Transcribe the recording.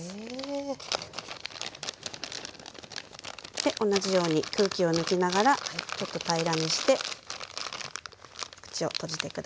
で同じように空気を抜きながらちょっと平らにして口を閉じて下さい。